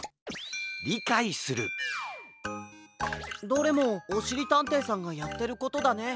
どれもおしりたんていさんがやってることだね。